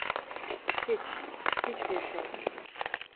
Hiç, hiçbir şey.